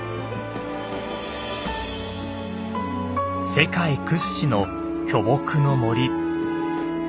世界屈指の巨木の森。